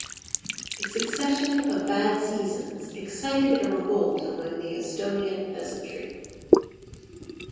A succession of bad seasons excited a revolt among the Estonian peasantry.